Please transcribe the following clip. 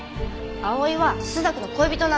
葵は朱雀の恋人なんです。